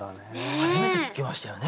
初めて聞きましたよね